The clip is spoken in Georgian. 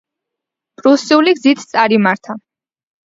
პრუსიული გზით წარიმართა.